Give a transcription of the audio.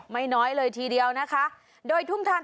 ไม่น้อยเลยทีเดียวนะคะโดยทุ่มทาง